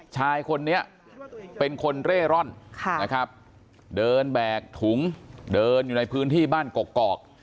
ชายคนนี้เป็นคนเร่ร่อนนะครับเดินแบกถุงเดินอยู่ในพื้นที่บ้านกกอก